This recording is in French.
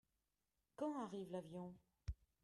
Quand arrive l'avion ?